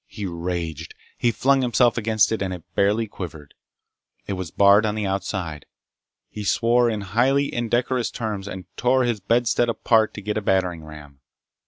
He raged. He flung himself against it and it barely quivered. It was barred on the outside. He swore in highly indecorous terms, and tore his bedstead apart to get a battering ram.